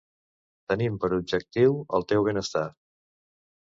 Tenim per objectiu el teu benestar.